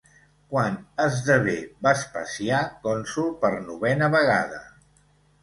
Quan esdevé Vespasià cònsol per novena vegada?